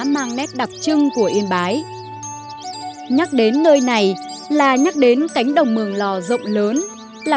mang nét đặc trưng của yên bái nhắc đến nơi này là nhắc đến cánh đồng mường lò rộng lớn là